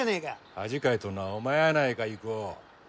恥かいとんのはお前やないか郁夫。